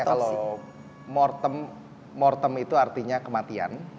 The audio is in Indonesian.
ya kalau mortem mortem itu artinya kematian